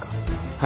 はい。